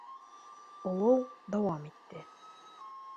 Олоу дауам итте.